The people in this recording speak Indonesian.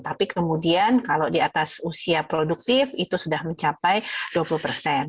tapi kemudian kalau di atas usia produktif itu sudah mencapai dua puluh persen